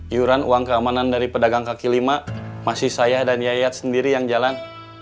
iuran uang keamanan dari pedagang kaki lima masih saya dan yayat sendiri yang jalan